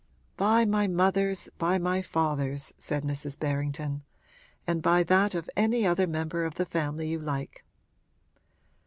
'By my mother's, by my father's,' said Mrs. Berrington, 'and by that of any other member of the family you like!'